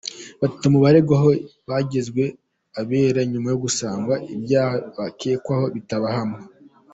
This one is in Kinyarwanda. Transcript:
Batatu mu baregwaga bagizwe abere nyuma yo gusanga ibyaha bakekwagaho bitabahama.